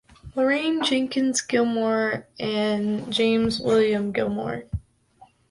Lorraine Jenkins Gilmore and James William Gilmore.